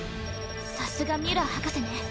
さすがミュラー博士ね